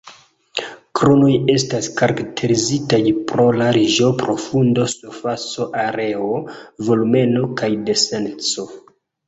Kronoj estas karakterizitaj pro larĝo, profundo, surfaca areo, volumeno, kaj denseco.